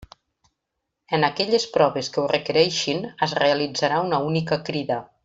En aquelles proves que ho requereixin, es realitzarà una única crida.